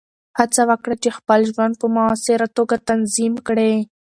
هڅه وکړه چې خپل ژوند په مؤثره توګه تنظیم کړې.